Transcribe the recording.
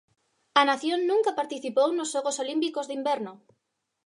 A nación nunca participou nos Xogos Olímpicos de Inverno.